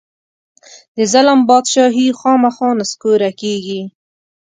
د ظلم بادچاهي خامخا نسکوره کېږي.